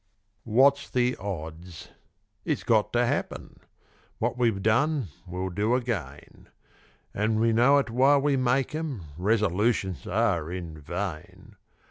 What's the odds? It's got to happen. What we've done we'll do again; And we know it while we make 'em, resolutions are in vain.